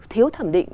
thiếu thẩm định